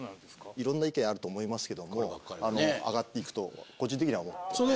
いろんな意見あると思いますけども上がっていくと個人的には思っています。